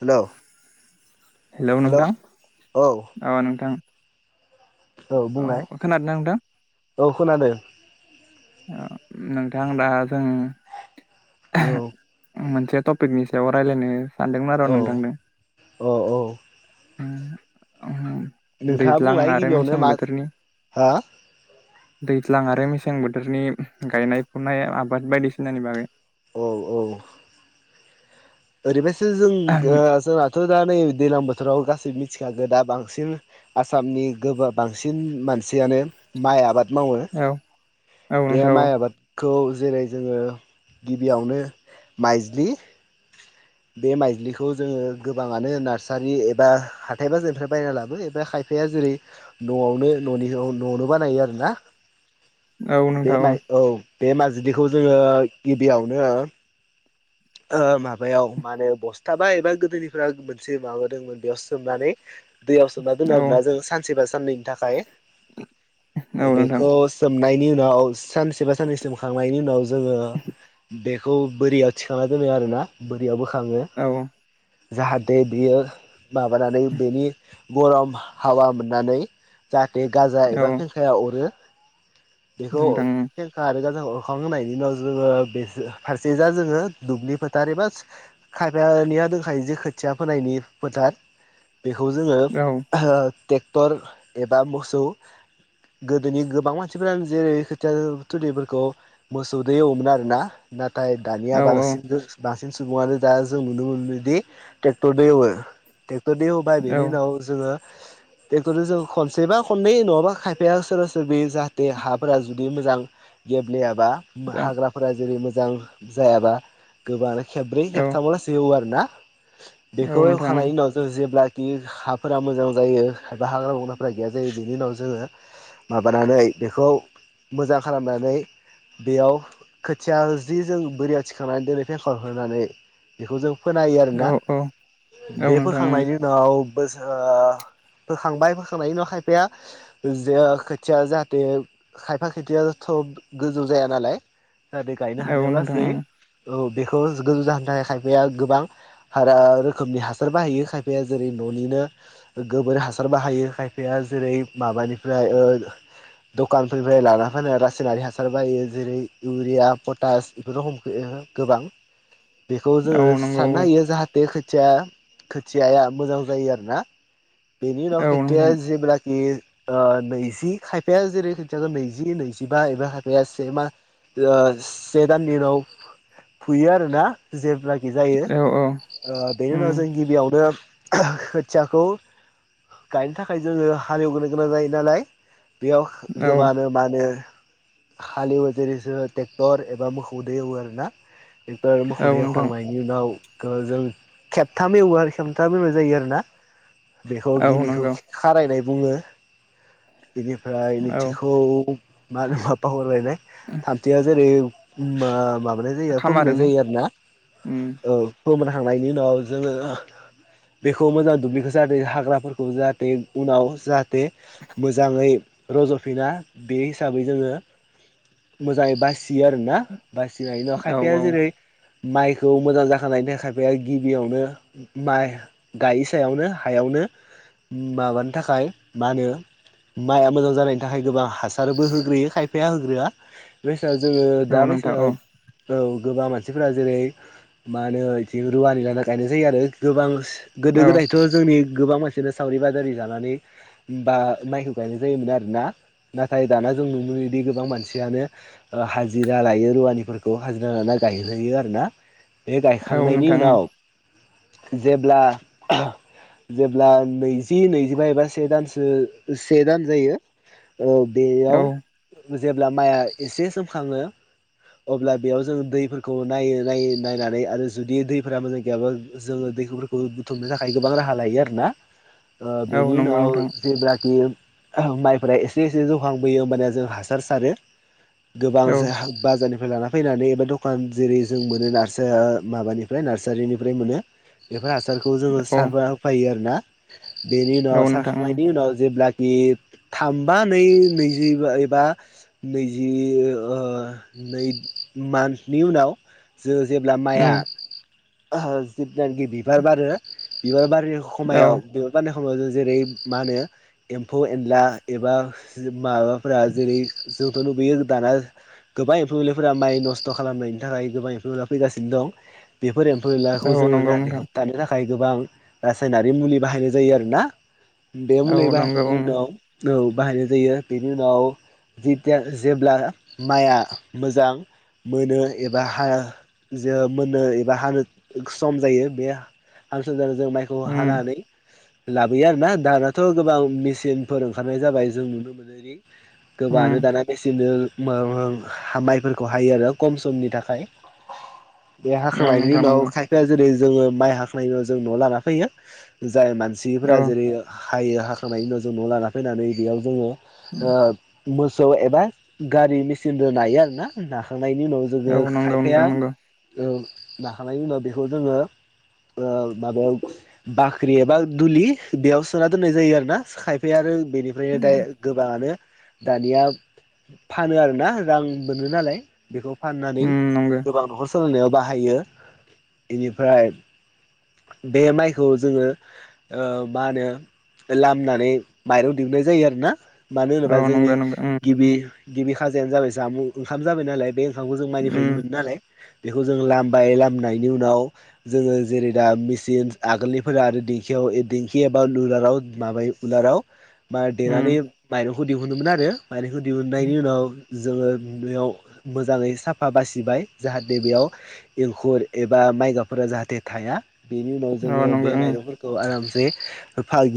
हेल' hello नोंथां औ नोंथां। औ बुंनाय खोनादोंना नोंथां? औ खोनादों नोंथां दा जों औ मोनसे टपिकनि सायाव रायलायनो सानदोंमोन आरो औ नोंथांदों औ औ उ अ नोंथाङा दैज्लां बुंलाय आरो गिबियावनो मेसें मा बोथोरनि हा दैज्लां आरो मेसें बोथोरनि गायनाय फुनाय आबाद बायदिसिनानि बागै। औ औ ओरैबायसो जों जोंहाथ' दा नै दैल्लां बोथोराव गासैबोनि थिखाागोदा बांसिन आसामनि गोबाब बांसिन मानसियानो माइ आबाद मावो औ औ बे नोंथां औ माइ आबाद खौ जेरै जोङो गिबियावनो माइजलि बे माइज्लिखौ जोङो गोबाङानो नार्सारि एबा हाथाय बाजारनिफ्राय बायना लाबोयो एबा खायफ फाया जेरै न'आवनो न'नि न'आवनो बानायो आरो ना। औ बे नोंथां मइ औ बे माइलिखौ जोङो ओ गिबियावनो ओ माबायाव माने बस्थाबा एबा गोदोनिफा मोनसे माबादोंमोन बेयाव सोमनानै दैयाव सोमना दोन औ आरोना जों सानसेबा साननैनि थाखाय औ नोंथां बेखौ सोम खंनायनि उनाव सानसेबा साननै सोमखांनायनि उनाव जोङो बेखौ बोरैयाव थिखांना दोनो आरोना बोरियाव बोखाङो औ जाहाथे बेयो माबानानै बेनि गरम हाबा मोननानै जा बे गाजा एबा फेंखाया अरो बेखौ नोंथां खेंखा आरो गाजांखौ अरखांहायनि उनाव जोङो बे फारसे जा जोङो दुब्लि फोथार एबा खायफानिया दंखायो जे खोथिया फोनायनि फोथार बेखौ जोङो औ ट्रेक्टर एबा मोसौ गोदोनि गोबां मानसिफोरानो जेरै खोथिया थिलिफोरखौ मोसौदै एवोमोन आरोना ना। नाथाय औ दानिया बांसिन बांसिन सुबुङानो दा जों नुनो मोनोदि ट्रेक्टरबो एवो्र थे दे औ बाय बेनि नाव जोङो [inaudible] ट्रेक्टरजो जों खनसेबा खनै नङाबा खायफाया सोरबा सोर बि जाहाथे हाफोरा जुदि मोजां गेब्लेयाबा हाग्राफोरा जेरै मोजां जायाबा गोबां खेब्रैेबथामावल' इवो आरो ना। बेखौ नोंथां इउखांनायनि उनाव जों जेब्ला बि हाफोरा मोजां जायो एबा हाग्रा बंग्राफोरा गैया जायो बिनि उनाव जोङो माबानानै बेखौ मोजां खालामनानै बेयाव खोथिया जि जों बोरियाथि थिखांनानै दोनै फेकर होनानै बेखौ जों फोनाहोयो औ आरोना बे नोंथां फोखांनायनि उनाव बोसोर ओ फोखांबाय फोखांनायनि उनाव खायफाया जे खोथिया जाहाथे खायफा खोथियाथ' गोजौ जाया नालाय जाहाथे गायनो औ हानायाव नोंथां लासै औ बेखौ गोजौ जाहोनो थाखाय खायफाया गोबां रोखोमनि हासार बाहायो खायफाया जेरै न'निनो गोबोर हासार बाहायो खायफाया जेरै माबानिफ्राय ओ दखानफोरनिफ्राय लाना फै रासायनारि हासार बायो जेरै इउरिया, पटास बेफोरखौ हम गोबां बेखौ जोङो औ नंगौ साननो हायो जाहाथे खोथिया खोथियाया मोजां जायो आरोना बेनि उनाव औ खेथ नोंथां जेब्लाखि नैजि खायफाया जेरै खिन्थागोन नैजि नैजिबा एबा खायफाया से मा सेदान नि उनाव फुयो आरोना जेब्लखि जायो औ औ बेनि उम उनाव जों गिबियावनो खोथियाखौ गायनो थाखाय जोङो हालेवग्रोनो गोनां जायो नालाय। बेयाव औ गोबांआनो मानो। हालिएवो जेरै टेक्टर एबा मोखौदो एवो आरो ना। टेक्टर औ मोखौदो नोंथां हेवखांनायनि उनाव। जों खेबथाम एवो आरो खेमथाम एवनाय जायो आरोना। बेखौ औ गिबिखौ नंगौ खारायनाय बुङो बेनिफ्राय औ नैथिखौ। मा होनो माबा हरबाय न थामथियाव जेरै माबा जायो फोमोननाय खामारोनो जायो आरोना उम औ फोमोनखांनायनि उनाव जोङो। बेखौ मोजां दुब्लिखौ जाहाथे हाग्राफोरखौ जाहाथे उनाव जाहाथे मोजाङै। रज'फिना बे हिसाबै जोङो मोजाङै बासियो आरोना बासियो। जायो न' औ खायफाया औ जेरै। माइखौ मोजां जाखांनायनि थाखाय खायफाया गिबियावनो माइ गायै सायावनो हायावनो। माबानि थाखाय मा होनो। माइआ मोजां जानायनि थाखाय गोबां हासारबो होग्रोयो खायफाया होग्रोआ। जोङो औ दा नोंथां औ बायसायाव। औ गोबां मानसिफोरा जेरै मा होनो इथिं रुवानि लाना गायनाय जायो आरो गोबां। गोदो औ गोदायथ' जोंनि। गोबां मानसिआनो सावरि बादारि जानानै बा माइखौ गायनाय जायोमोन आरोना। नाथाय दाना जों नुनोमोनोदि गोबां मानसियानो हाजिरा लायो रुवानिफोरखौ। बेखौ हाजिरा ला गायहैयो आरोना बे औ गायखांनायनि नोंथां उनाव। जेब्ला आह। जेब्ला नैजि नैजिबा एबा से दानसो से दान जायो। औ बेयाव औ जेब्ला माइआ एसे सोमखाङो। अब्ला बेयाव जोङो दैफोरखौ नायो नायो नायनानै आरो जुदि दैफोरा मोजां गैयाबा जोङो दैखौ। बो बुथुमनो थाखाय गोबां राहा लायो आरोना ओ औ बेनि नंगौ उनाव नोंथां जेब्लाखि। माइफ्रा एसे एसे जौखांबोयो होमबानिया जों हासार सारो। औ गोबांसो हा बाजारनि। फ्राय लाना फैनानै एबा दखान जेरै जों मोनो नार्सा माबानिफ्राय नार्सारिनिफ्राय मोनो। बेफोर हासारखौ जोङो औ सारना होफायो आरो ना। बेनि उनाव औ नोंथां उम सारखांनायनि उना जेब्ला। बे थामबा नै नैजिबा एबा नैजि ओ। नै मान्थनि उनाव जो जेब्ला माइआ उम ओहओ। जायनाखि बिबार बारो बिबार बारिनि खमायाव औ बिबार बार समाव जों जेरै मा होनो एम्फौ एनला एबा माबाफोरा जेरै। जोंथ' नुबैयो दाना। गोबां एम्फौ एनलाफोरा माइ नस्थ' खालामनायनि थाखाय गोबां एम्फौ एनला फैगासिनो दं बे। फोर एमफौ एनलाखौ औ जोङो नंगौ जाहाथे नोंथां होबथानो थाखाय। गोबां रासायनारि मुलि बाहायनाय जायो आरोना बे औ मुलि नंगौ उम बाहायखांनायनि उनाव। औ बाहायनाय जायो बेनि उनाव जिथिया जेब्ला माइआ। मोजां। मोनो एबा हा जे मोननो एबा हानो सम जायो बे। हांसोनानै जों माइखौ उम हानानै लाबोयो आरो ना दानाथ' गोबां मेचिनफोर ओंखारनाय जाबाय जों नुनो मोनोदि। उम गोबाङानो दाना मेसिननो मो माइफोरखौ हायो आरो खम समनि थाखाय। बे औ हाखांनायनि नोंथां उनाव नंगौ खायफाया जेरै जोङो माइ हाखांनायनि उनाव जों न'आव लाना फैयो। जाय औ मानसिफ्रा जेरै हायो हाखांनायनि उनाव जों न'आव लाना फैनानै बेयाव जोङो। ओ मोसौ एबा गारि मेसिनजों नायो आरोना नाखां नायनि उनाव जोङो औ नंगौ खायफाया नोंथां नंगौ ओ नाखांनायनि उनाव बेखौ जोङो। ओ माबायाव। बाख्रि एबा दुलि बेयाव सोना दोननाय जायो आरो ना खायफाया आरो बेनिफ्रायनो दा गोबाङानो दानिया फानो आरो दा रां मोनो नालाय बेखौ फाननानै उम नंगौ गोबां न'खर सोलोंनायाव बाहायो बेनिफ्राय बे माइखौ जोङो मा होनो लामनानै माइरं दिहनाय जायो आरो ना मानो औ होनोबा जोंनि नंगौ नंगौ उम गिबि गिबि खाजायानो जाबाय जामुं ओंखाम जाबाय नालाय बे बिखौ जों माइनिफ्रायनो उम मोनो नालाय बेखौ जों लामबाय लामनायनि उनाव जोङो जेरै दा मेसिन आगोलनिफोरा आरो दिेंखियाव दिेंखि एबा उलाराव माबायो उलाराव बा उम देनानै माइरंखौ दिहुनोमोन आरो माइरंखौ दिहुननायनि उनाव जोङो बेयाव मोजाङै साफा बासिबाय जाहाथे बेयाव एंखुर एबा माइगाफोरा जाहाथे थाया बेनि उनाव औ जोङो नंगौ बे उम माइरंफोरखौ आराम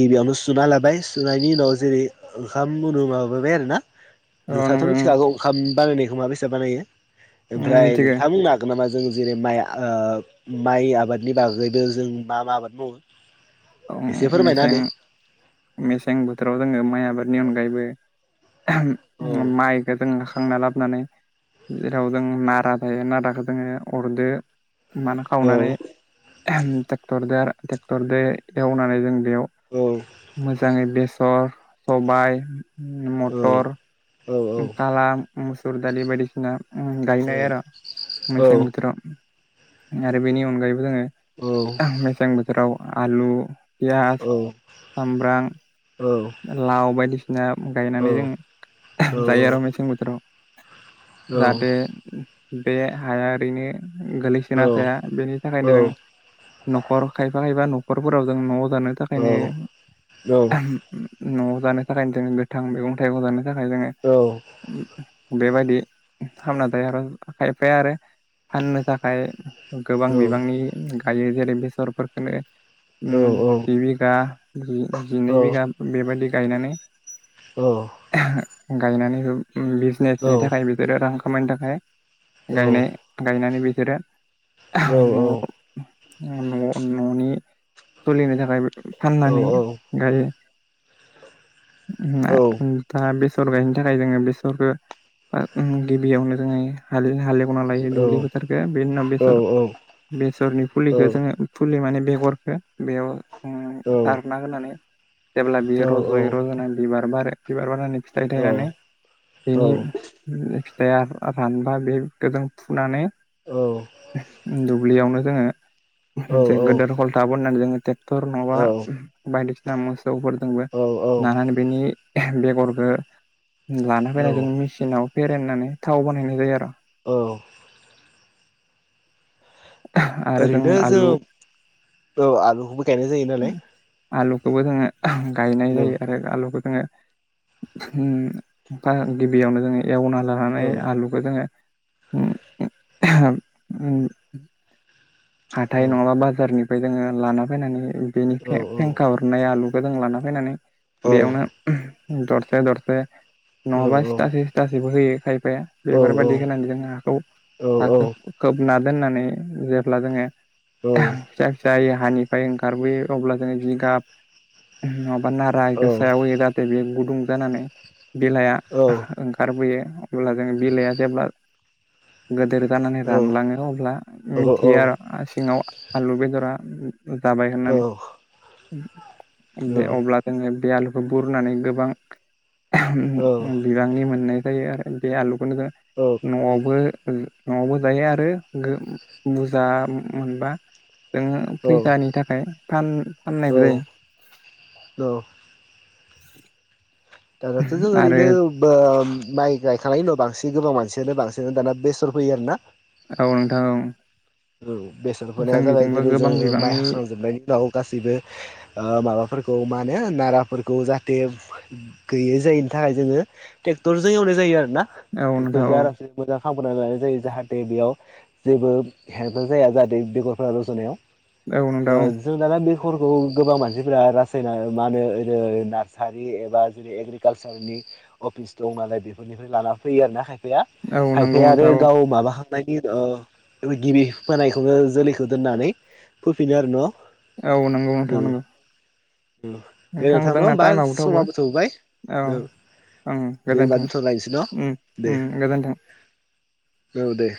गिबियावनो सुना लाबाय सुनायनि उनाव जेरै ओंखाम गुनु माबाबाय आरो ना औ। नोंथ' नंगौ उम मिथिखागौ ओंखाम बानायनायखौ बेसे बानायो उम ओमफ्राय मिथिगौ नोंथाङा बुंनो हागोन नामा? जों जेरै माइ माइ आबादनि बागैबो जों मा मा आबाद मावो? एसे फोरमायना होदो मेसें मेसें बोथोराव जोङो माइ आबादनि अनगायैबो [inaudible] नानै जेराव जों नारा थायो नाराखौ जोङो अरदो मान औ खावनानै टेक्टर ट्रेक्टरजों एवनानै जों बेयाव औ मोजाङै बेसर सबाइ मथर औ काला मुसुर दालि बायदिसिना औ गायनाय आरो औ मेसें बोथोराव आरो बेनि अनगायैबो औ जोङो मेसें बोथोराव आलु औ पियाज सामब्राम लाव बायदिसिना गायनानै जों जायो आरो मेसें बोथोराव जाहाथे बे हाया ओरैनो गोग्लैसोना थाया बेनि थाखायनो जों औ न'खर खायफा खायफा न'खरफोराव जों न'आव जानो थाखायनो न'आव जानो थाखायनो जोङो गोथां मैगं थाइगं जानो नि थाखाय जोङो बेबायदि खालामना जायो आरो' खायफाया आरो फाननो थाखाय गोबां बिबांनि गायो जेरै बेसरफोरखौ औ जि बिघा जिनै औ बिघा बेबायदि गायनानै औ गायनानैबो बिजनेसनि थाखाय बिसोरो रां खामायनो थाखाय गायनाय गायनानै बिसोरो न'आव न'नि सोलिनो थाखाय फाननानै गायो [inaudible] बेसर गायनो थाखाय जोङो बेसरखौ गिबियावनो जोङो हालेव दुब्लि फोथारखौ बेनि उनाव बेसरनि फुलिखौ जोङो फुलि माने बेगरखौ बेयाव सारना होनानै जेब्ला बेयो रज'यै रज'नाय बिबार बिबार बारो बिबार बारनानै फिथाइ थायनानै बिनि फिथाया रानबा बेखौजों फुनानै दुब्लियावनो जोङो मोन गेदेर हलथा बोननानै जोङो ट्रेक्टर नङाबा बायदिसिना मोसौफोरजोंबो लानानै बेनि बेगरखौ लाना फैना जों मिसिनाव फेरेनानै थाव बानायनाय जायो आरो औ [inaudible] आरो ओरैनो जों आलु ओ आलुखौबो गायनाय जायो नालाय आलुखौबो जोङो ओहम गायनाय औ जायो आरो आलुखो जोङो होम फा गिबियावनो जोङो एवना औ लानानै आलुखौ जोङो उम उम आहाम उम औ हाथाय नङाबा बाजारनि फाय जोङो लाना फैनानै बेनि औ फें फेंखा हरनाय आलुखौ जों लाना फैनानै औ बेयावनो उम दरसे दरसे औ नङाबा औ औ सिथासे सिथासेबो होयो खायफाया बेफोरबायदि होनानै जों हाखौ हाखो खोबना दोननानै जे ब्ला आहाम जोङो फिसा फिसा हानिफ्राय ओंखारबोयो अब्ला जोङो जिगाब बा नारा इखो सायाव होयो जाहाथे बियो गुदुं जानानै बिलाइआ ओंखारबोयो अब्ला जों बिलाइआ जेब्ला गोदोर जानानै रानलाङो अब्ला थेयो आरो आ सिङाव आ-आलु बेदरा जाबाय होननानै बे अब्ला जोङो बे आलुखौ बुरनानै गोबां आहाम बिबांनि मोननाय जायो आरो बे आलुखौनो जों न'आवबो न'आवबो जायो आरो गो बुरजा मो-मोनबा जोङो फैसानि थाखाय फान औ फाननायबो जायो औ औ दानाथ' जों आरो ओरैनो बा माइ गायखांनायनि उनाव बांसि न गोबां मानसियानो बांसिनानो दाना बेसर फैयो आरो ना औ नोंथां औ ओं बेसर फोनाया जाबाय जोंनिथिंबो जेरै गोबां जोङो माइ बिबांनि हाखांजोबनायनि उनाव गासैबो आ माबाफोरखौ मा होनो नाराफोरखौ जाहाथे गैयै जायै थाखाय जोङो टेक्टरजों एवनाय जायो आरो ना औ नोंथां ट्रेक्टरजों औ आरामसे मोजां खालामगोरना लानाय जायो जाहाथे बेयाव जेबो [unintelligible] जाया जाहाथे बेगरफोरा रज'नायाव औ नोंथां ओ औ जों दाना बे फोरखौ गोबां मानसिफोरा रासायना मा होनो ओरै नार्सारि एबा जेरै एग्रिकालसारनि अफिस दं नालाय बेफोरनिफ्राय लाना फैयो आरो ना खाय फाया औ नंगौ खायफाया आरो नोंथां औ गाव माबाखांनायनि उनाव गिबि फोनायखौबो जोलैखौ दोननानै फोफिनो आरो न' औ नंगौ नोंथां नंगौ दे नोंथां न जोंना होमबा टाइमाबो थौबो समाबो थौबाय औ नों ओं दे ओमबा गोजोन्थों दोनथ'लायनसै उम न' दे उम गोजोन्थों औ दे